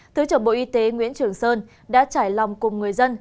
thứ trưởng bộ y tế nguyễn trường sơn đã trải lòng cùng người dân